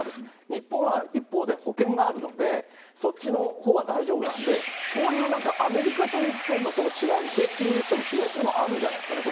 日本は一方で保険があるので、そっちのほうは大丈夫なんで、そういうなんか、アメリカと日本の違い、セイフティーネットの違いっていうのもあるんじゃないですかね。